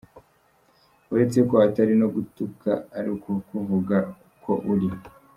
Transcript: Uretse ko atari no kugutuka ari ukukuvuga uko uri.